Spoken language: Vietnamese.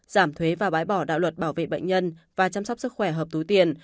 giảm thuế và bãi bỏ đạo luật bảo vệ bệnh nhân và chăm sóc sức khỏe hợp túi tiền